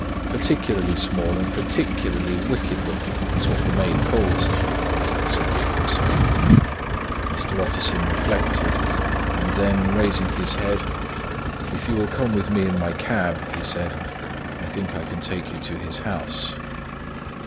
"Particularly small and particularly wicked looking, is what the maid calls him," said the officer. Mr. Utterson reflected; and then, raising his head, "If you will come with me in my cab," he said, "I think I can take you to his house."